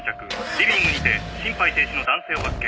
リビングにて心肺停止の男性を発見。